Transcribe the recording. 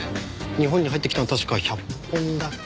日本に入ってきたの確か１００本だけ。